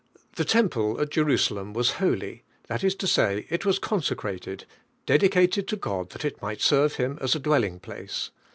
The temple a! Jerusalem was holy, that is to say, it was eonsccrnleil, dedicated to God that it might serve Him as a dwelling place.